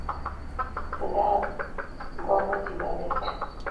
Sindan mbomo ji malit.